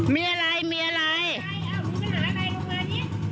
มีอะไรมีอะไรอ้าวหูมันหาอะไรลงมานี่